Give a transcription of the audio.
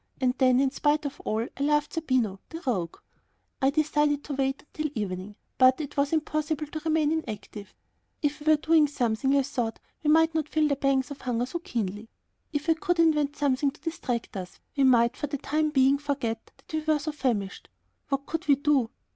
And then, in spite of all, I loved Zerbino, the rogue! I decided to wait until evening, but it was impossible to remain inactive. If we were doing something I thought we might not feel the pangs of hunger so keenly. If I could invent something to distract us, we might, for the time being, forget that we were so famished. What could we do?